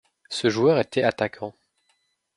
Ce joueur était attaquant.